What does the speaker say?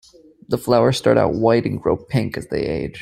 The flowers start out white and grow pink as they age.